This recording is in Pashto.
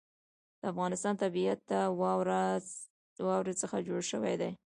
د افغانستان طبیعت له واوره څخه جوړ شوی دی.